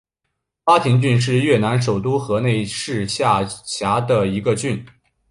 巴亭郡是越南首都河内市下辖的一个郡。